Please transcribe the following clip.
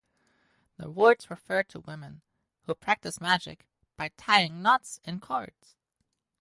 The words refer to women who practice magic by tying knots in cords.